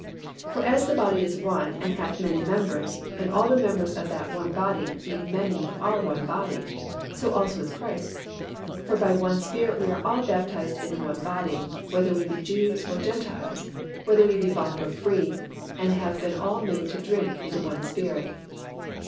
For as the body is one, and hath many members, and all the members of that one body, being many, are one body: so also is Christ. For by one Spirit are we all baptized into one body, whether we be Jews or Gentiles, whether we be bond or free; and have been all made to drink into one Spirit."